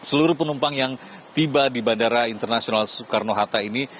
satu juli dua ribu dua puluh tiga seluruh penumpang yang tiba di bandara internasional soekarno hatta ini